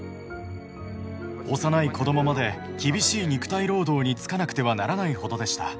幼い子どもまで厳しい肉体労働に就かなくてはならないほどでした。